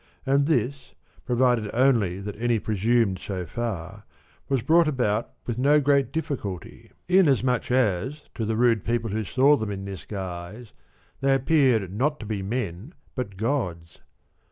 And this (pro vided only that any presumed so far) was brought about with no great difficulty, in as much as to the rude people who saw them in this guise they appeared not to be men but gods.